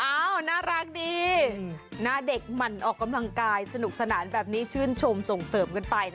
น่ารักดีหน้าเด็กหมั่นออกกำลังกายสนุกสนานแบบนี้ชื่นชมส่งเสริมกันไป